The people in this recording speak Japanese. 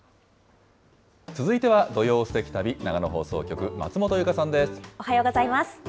続いては土曜すてき旅、長野放送局、おはようございます。